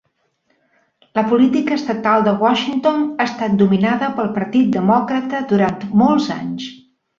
La política estatal de Washington ha estat dominada pel Partit Demòcrata durant molts anys.